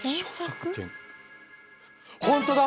本当だ！